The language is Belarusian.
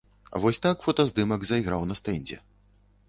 Вось так фотаздымак зайграў на стэндзе.